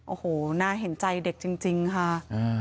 โอ้โหน่าเห็นใจเด็กจริงค่ะ